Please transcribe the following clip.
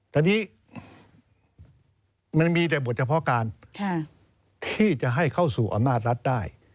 ตอนนี้มันมีแต่บทเฉพาะการที่จะให้เข้าสู่อำนาจรัฐได้